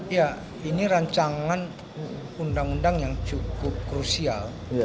ya ini rancangan undang undang yang cukup krusial